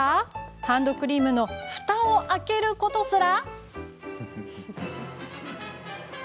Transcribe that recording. ハンドクリームのふたを開けることすら。